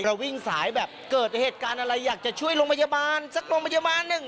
วิ่งสายแบบเกิดเหตุการณ์อะไรอยากจะช่วยโรงพยาบาลสักโรงพยาบาลหนึ่ง